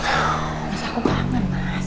mas aku kangen mas